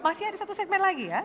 masih ada satu segmen lagi ya